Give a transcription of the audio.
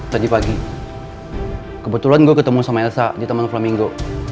tadi pagi kebetulan gue ketemu sama elsa di teman framingo